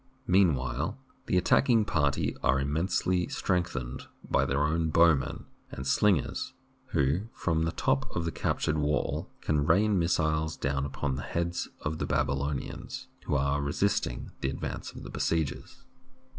Mean while the attacking party are immensely strength ened by their own bowmen and slingers, who, from the top of the captured wall, can rain missiles down upon the heads of the Babylonians who are resist ing the advance of the besiegers.